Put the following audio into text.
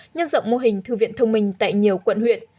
nhân rộng mô hình thư viện thông minh tại nhiều quận huyện